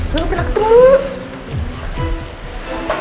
kalo gak pernah ketemu